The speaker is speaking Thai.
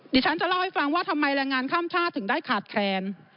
ดิฉันจะเล่าให้ฟังว่าทำไมแรงงานข้ามชาติถึงได้ขาดแคลน